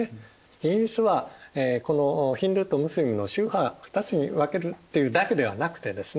イギリスはこのヒンドゥーとムスリムの宗派２つに分けるっていうだけではなくてですね